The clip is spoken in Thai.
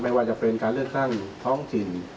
ว่าจะเป็นการเลือกตั้งท้องถิ่น